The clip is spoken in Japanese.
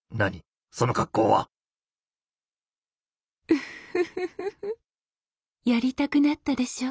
ウフフフやりたくなったでしょ？